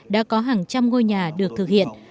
đã có hàng trăm ngôi nhà được thực hiện